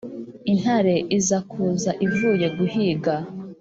intare iza kuza ivuye guhiga,